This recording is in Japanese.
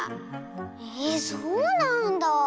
えそうなんだあ。